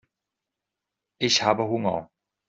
Ich habe Hunger.